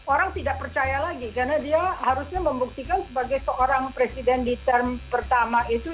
orang tidak percaya lagi karena dia harusnya membuktikan sebagai seorang presiden di term pertama itu